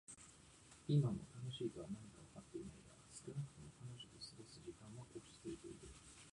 今も「楽しい」とは何かはわかってはいないが、少なくとも彼女と過ごす時間は落ち着いていられる。